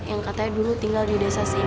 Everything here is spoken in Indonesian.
yang katanya dulu tinggal di desa sini